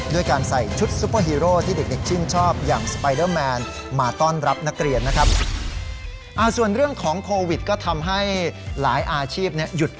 ด้วยการใส่ชุดซุปเปอร์ฮีโรที่เด็กชื่นชอบ